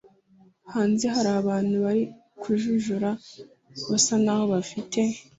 hanze hari abantu bari kujujura basa naho bafite